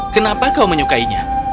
kenapa kau menyukainya